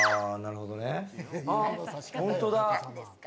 本当だ。